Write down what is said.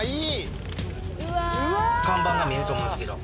看板が見えると思うんですけど。